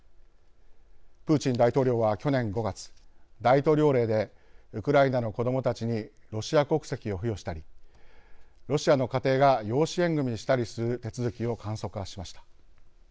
プーチン大統領は去年５月大統領令でウクライナの子どもたちにロシア国籍を付与したりロシアの家庭が養子縁組みしたりする手続きを簡素化しました。